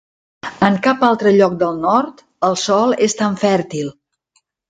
En cap altre lloc del Nord el sòl és tan fèrtil.